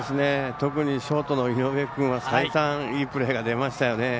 特にショートの井上君は再三いいプレーが出ましたよね。